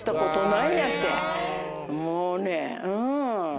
もうねうん。